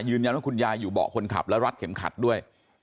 ยืนยันว่าคุณยายอยู่เบาะคนขับและรัดเข็มขัดด้วย